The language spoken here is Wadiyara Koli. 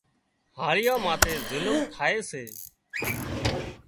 هاۯيئاان ماٿي ظلم ٿائي سي